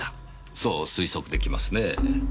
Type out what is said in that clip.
そう推測できますねぇ。